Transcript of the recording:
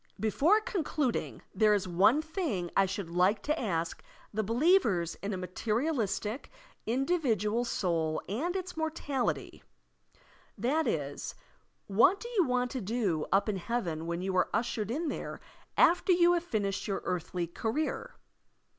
Before concluding, there is one thing I should like to ask the believers in a materialistic, indi vidual soul and its immortality; that is. What do you want to do up in heaven when you are ushered in there after you have finished yovir earthly career?